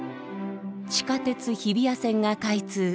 地下鉄日比谷線が開通。